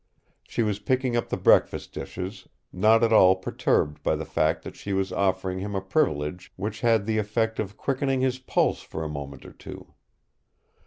She was picking up the breakfast dishes, not at all perturbed by the fact that she was offering him a privilege which had the effect of quickening his pulse for a moment or two.